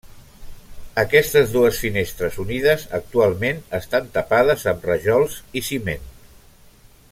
Aquestes dues finestres unides, actualment estan tapades amb rajols i ciment.